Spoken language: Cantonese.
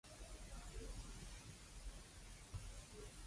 可惜放唔到入微波爐